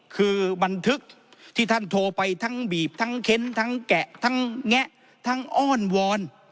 คือบันทึกที่ท่านโทรไปทั้งบีบทั้งเค้นทั้งแกะทั้งแงะทั้งอ้อนวอน